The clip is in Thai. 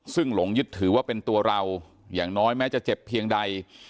ซึ่งหลงยึดถือว่าเป็นตัวเราอย่างน้อยแม้จะเจ็บเพียงใด